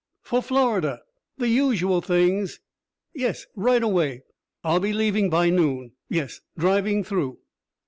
For Florida. The usual things.... Yes, right away. I'll be leaving by noon.... Yes, driving through."